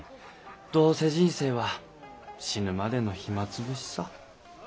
どうせ人生は死ぬまでの暇つぶしさ。